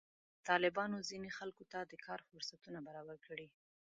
طالبانو ځینې خلکو ته کار فرصتونه برابر کړي.